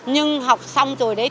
nhưng học xong rồi đấy